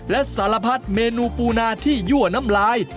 และสารพัดเมนูปูนาที่ยั่วน้ำลาย